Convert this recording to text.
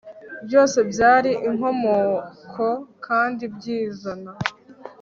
Byose byari inkomoko kandi byizana